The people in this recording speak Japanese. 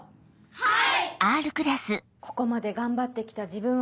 はい。